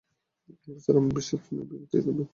Officer, আমার বিশ্বাস তুমি এই বিবৃতিতে মিথ্যা বলেছ।